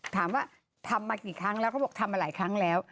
ถามว่าทำมากี่ครั้งแล้วเขาบอกทำมาหลายครั้งแล้ว